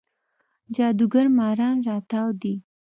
جادوګر ماران راتاو دی